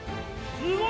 すごい！